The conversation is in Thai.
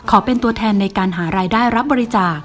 เป็นตัวแทนในการหารายได้รับบริจาค